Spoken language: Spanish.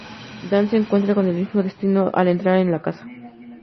Dan se encuentra con el mismo destino al entrar en la casa.